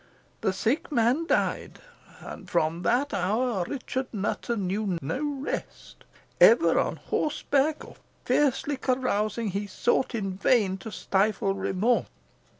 The sick man died; and from that hour Richard Nutter knew no rest. Ever on horseback, or fiercely carousing, he sought in vain to stifle remorse.